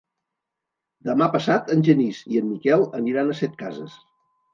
Demà passat en Genís i en Miquel aniran a Setcases.